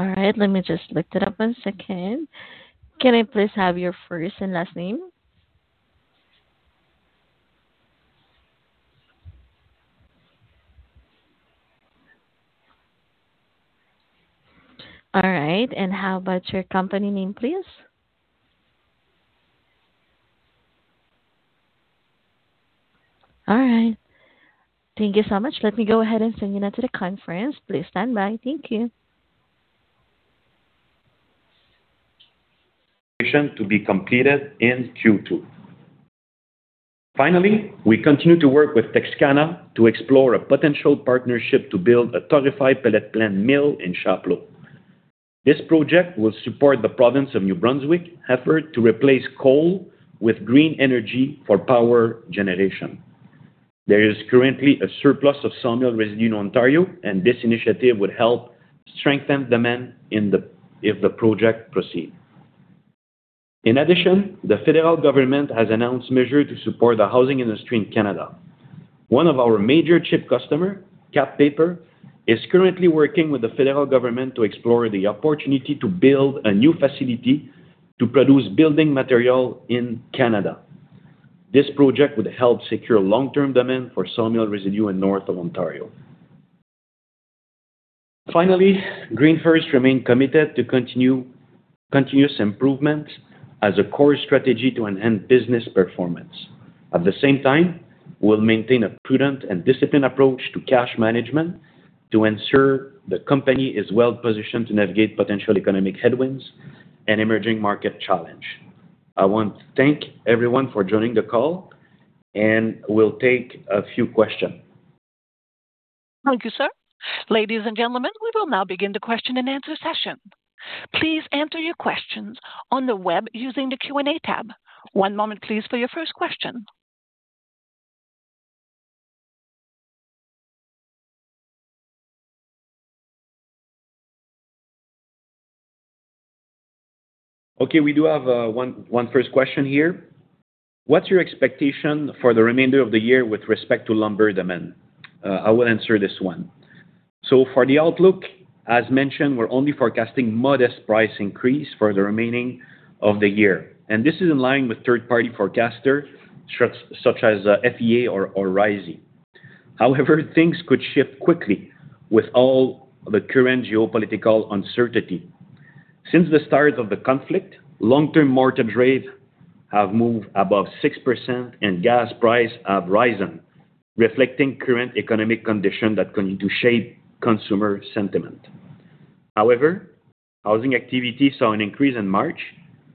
-tion to be completed in Q2. Finally, we continue to work with Texana to explore a potential partnership to build a torrefied pellet plant mill in Chapleau. This project will support the province of New Brunswick effort to replace coal with green energy for power generation. There is currently a surplus of sawmill residue in Ontario, and this initiative would help strengthen demand if the project proceed. In addition, the federal government has announced measure to support the housing industry in Canada. One of our major chip customer, Kap Paper, is currently working with the federal government to explore the opportunity to build a new facility to produce building material in Canada. This project would help secure long-term demand for sawmill residue in north of Ontario. Finally, GreenFirst remain committed to continuous improvement as a core strategy to enhance business performance. At the same time, we'll maintain a prudent and disciplined approach to cash management to ensure the company is well-positioned to navigate potential economic headwinds and emerging market challenge. I want to thank everyone for joining the call, we'll take a few question. Thank you, sir. Ladies and gentlemen, we will now begin the question-and-answer session. Please enter your questions on the web using the Q&A tab. One moment please for your first question. Okay, we do have one first question here. What's your expectation for the remainder of the year with respect to lumber demand? I will answer this one. For the outlook, as mentioned, we're only forecasting modest price increase for the remaining of the year. This is in line with third-party forecaster, such as FEA or RISI. However, things could shift quickly with all the current geopolitical uncertainty. Since the start of the conflict, long-term mortgage rates have moved above 6% and gas price have risen, reflecting current economic condition that continue to shape consumer sentiment. However, housing activity saw an increase in March,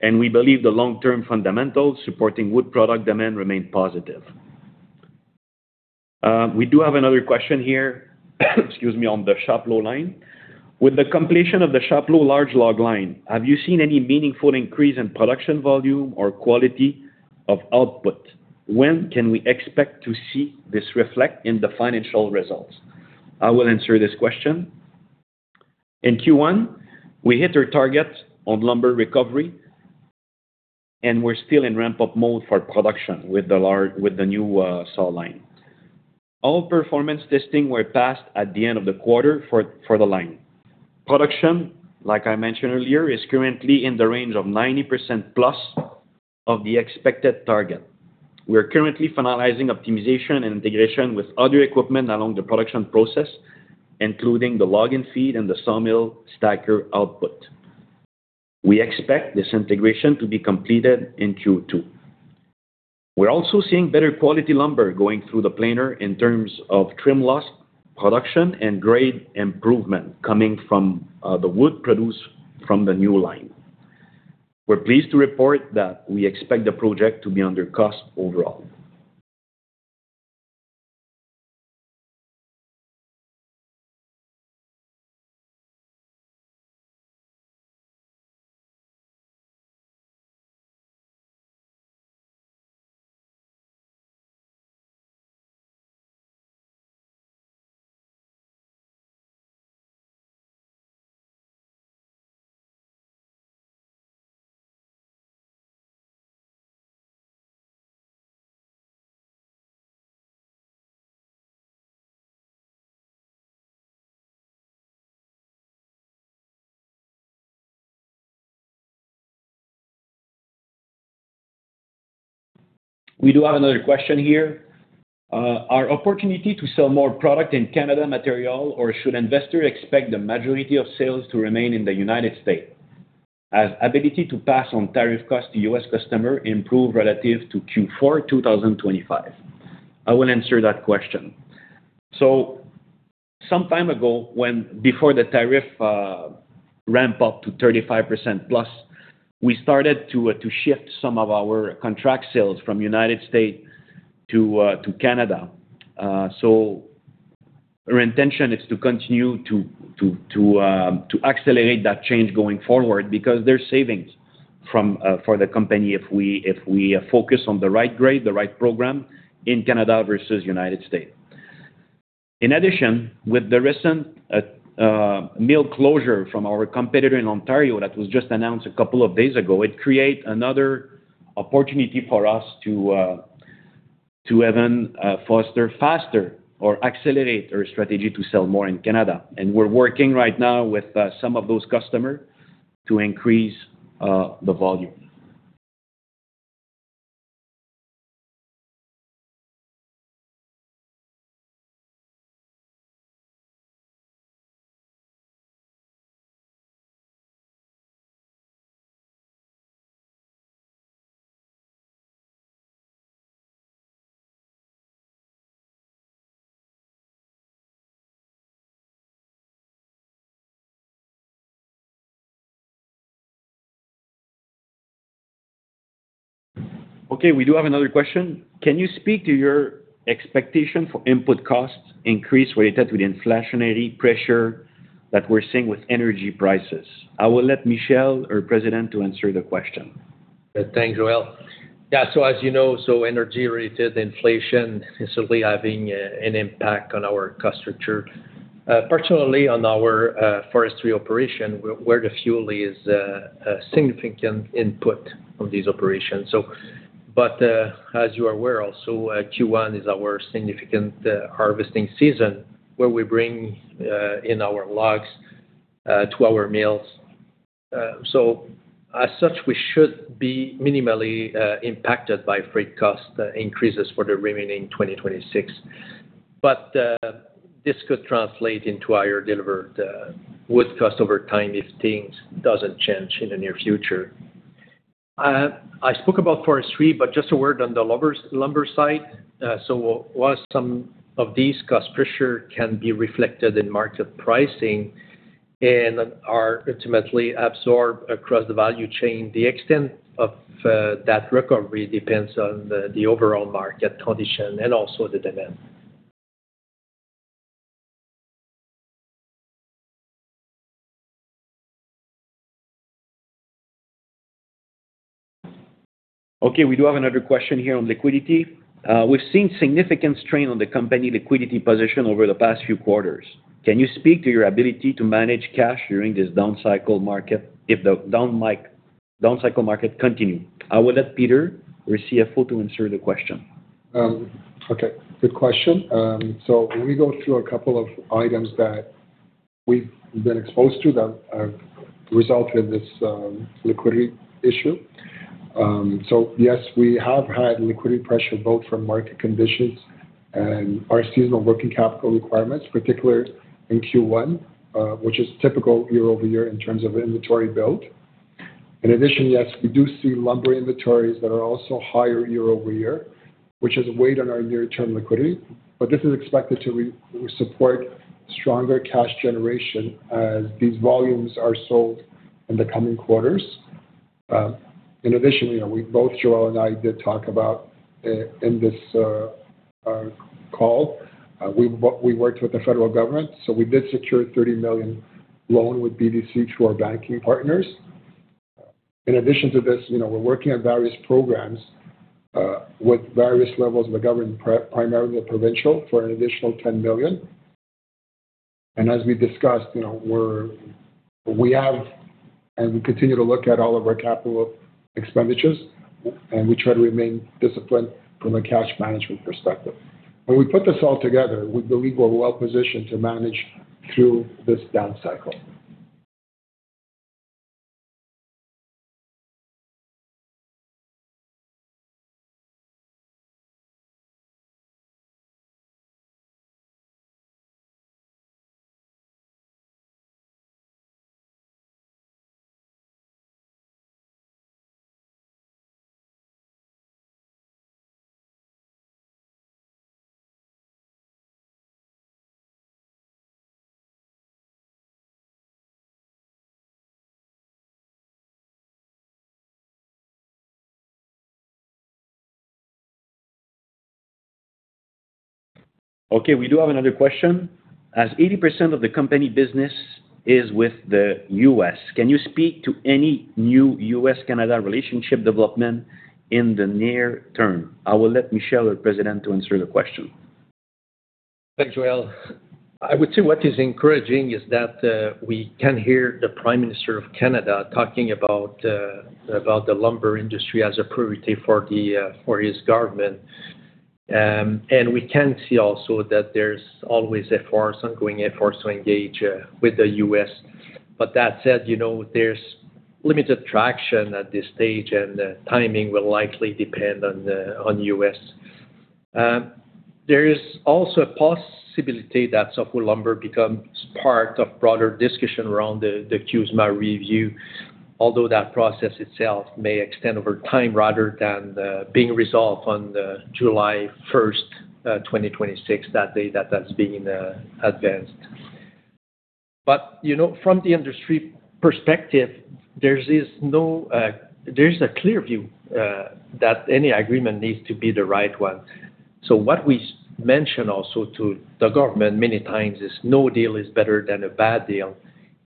and we believe the long-term fundamentals supporting wood product demand remain positive. We do have another question here, excuse me, on the Chapleau line. With the completion of the Chapleau large log line, have you seen any meaningful increase in production volume or quality of output? When can we expect to see this reflect in the financial results? I will answer this question. In Q1, we hit our target on lumber recovery, and we're still in ramp-up mode for production with the new saw line. All performance testing were passed at the end of the quarter for the line. Production, like I mentioned earlier, is currently in the range of 90%+ of the expected target. We are currently finalizing optimization and integration with other equipment along the production process, including the logging feed and the sawmill stacker output. We expect this integration to be completed in Q2. We're also seeing better quality lumber going through the planer in terms of trim loss production and grade improvement coming from the wood produced from the new line. We're pleased to report that we expect the project to be under cost overall. We do have another question here. Are opportunity to sell more product in Canada material, or should investor expect the majority of sales to remain in the U.S.? Has ability to pass on tariff cost to U.S. customer improve relative to Q4 2025? I will answer that question. Some time ago, when before the tariff ramp up to 35%+, we started to shift some of our contract sales from U.S. to Canada. Our intention is to continue to accelerate that change going forward because there's savings for the company if we focus on the right grade, the right program in Canada versus U.S. In addition, with the recent mill closure from our competitor in Ontario that was just announced a couple of days ago, it create another opportunity for us to even foster faster or accelerate our strategy to sell more in Canada. We're working right now with some of those customer to increase the volume. Okay, we do have another question. Can you speak to your expectation for input costs increase related to the inflationary pressure that we're seeing with energy prices? I will let Michel, our President, to answer the question. Thanks, Joel. Yeah, so as you know, so energy-related inflation is certainly having an impact on our cost structure. Particularly on our forestry operation where the fuel is a significant input of these operations. As you are aware also, Q1 is our significant harvesting season, where we bring in our logs to our mills. As such, we should be minimally impacted by freight cost increases for the remaining 2026. This could translate into higher delivered wood cost over time if things doesn't change in the near future. I spoke about forestry, just a word on the lumber side. While some of these cost pressure can be reflected in market pricing and are ultimately absorbed across the value chain, the extent of that recovery depends on the overall market condition and also the demand. We do have another question here on liquidity. We've seen significant strain on the company liquidity position over the past few quarters. Can you speak to your ability to manage cash during this down cycle market if the down cycle market continue? I will let Peter, our CFO, to answer the question. Okay, good question. Let me go through a couple of items that we've been exposed to that have resulted in this liquidity issue. Yes, we have had liquidity pressure both from market conditions and our seasonal working capital requirements, particularly in Q1, which is typical year-over-year in terms of inventory build. In addition, yes, we do see lumber inventories that are also higher year-over-year, which has weighed on our near-term liquidity. This is expected to re-support stronger cash generation as these volumes are sold in the coming quarters. In addition, you know, we both, Joel and I, did talk about in this call, we worked with the federal government, we did secure a 30 million loan with BDC through our banking partners. In addition to this, you know, we're working on various programs, with various levels of the government, primarily the provincial, for an additional 10 million. As we discussed, you know, we're, we have, and we continue to look at all of our capital expenditures, and we try to remain disciplined from a cash management perspective. When we put this all together, we believe we're well positioned to manage through this down cycle. Okay, we do have another question. As 80% of the company business is with the U.S., can you speak to any new U.S.-Canada relationship development in the near term? I will let Michel, our President, to answer the question. Thanks, Joel. I would say what is encouraging is that we can hear the Prime Minister of Canada talking about the lumber industry as a priority for his government. We can see also that there's always ongoing efforts to engage with the U.S. That said, you know, there's limited traction at this stage, and the timing will likely depend on the U.S. There is also a possibility that softwood lumber becomes part of broader discussion around the CUSMA review. Although that process itself may extend over time rather than being resolved on July 1st, 2026, that day that's being advanced. You know, from the industry perspective, there's a clear view that any agreement needs to be the right one. What we mention also to the government many times is no deal is better than a bad deal.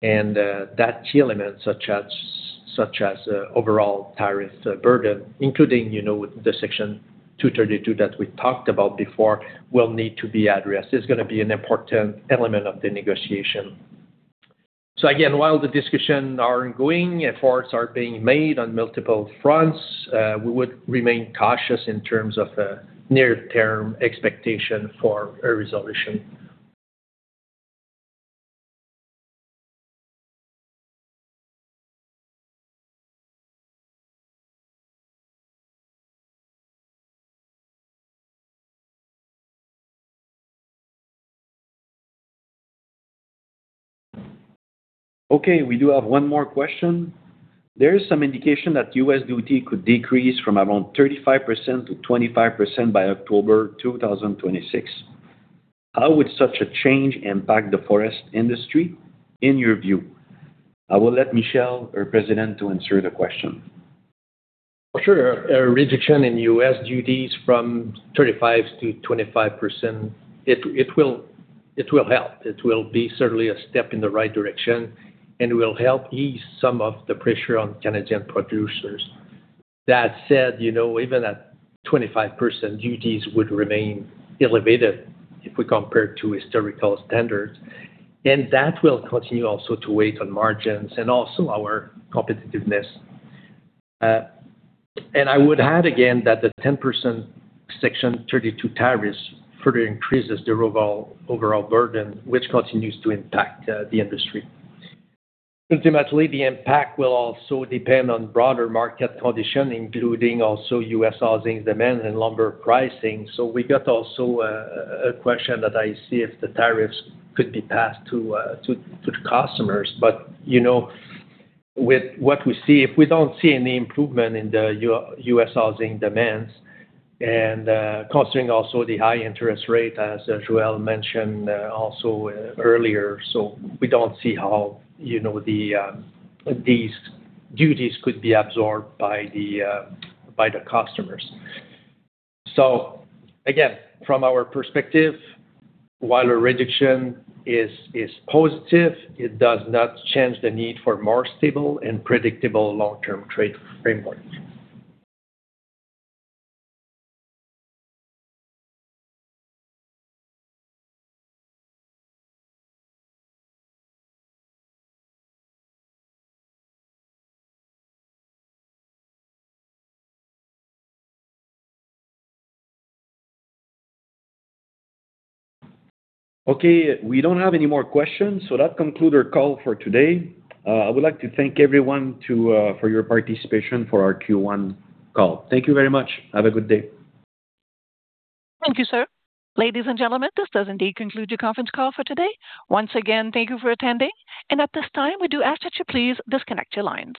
That key element such as overall tariff burden, including, you know, the Section 232 that we talked about before, will need to be addressed. It's gonna be an important element of the negotiation. Again, while the discussion are ongoing, efforts are being made on multiple fronts, we would remain cautious in terms of near-term expectation for a resolution. Okay, we do have one more question. There is some indication that U.S. duty could decrease from around 35%-25% by October 2026. How would such a change impact the forest industry, in your view? I will let Michel, our President, to answer the question. Sure. A reduction in U.S. duties from 35%-25%, it will help. It will be certainly a step in the right direction and will help ease some of the pressure on Canadian producers. That said, you know, even at 25%, duties would remain elevated if we compare to historical standards. That will continue also to weigh on margins and also our competitiveness. I would add again that the 10% Section 232 tariffs further increases the overall burden, which continues to impact the industry. Ultimately, the impact will also depend on broader market condition, including also U.S. housing demand and lumber pricing. We got also a question that I see if the tariffs could be passed to the customers. You know, with what we see, if we don't see any improvement in the U.S. housing demands and, considering also the high interest rate, as Joel mentioned earlier. We don't see how, you know, these duties could be absorbed by the customers. Again, from our perspective, while a reduction is positive, it does not change the need for more stable and predictable long-term trade framework. Okay, we don't have any more questions, so that conclude our call for today. I would like to thank everyone to for your participation for our Q1 call. Thank you very much. Have a good day. Thank you, sir. Ladies and gentlemen, this does indeed conclude your conference call for today. Once again, thank you for attending. At this time, we do ask that you please disconnect your lines.